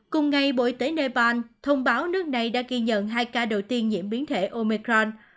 cùng ngày bộ y tế nepal thông báo nước này đã kiên nhận hai ca đầu tiên diễn biến thể omicron